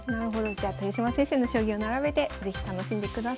じゃあ豊島先生の将棋を並べて是非楽しんでください。